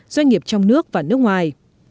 doanh nghiệp trong nước và nước ngoài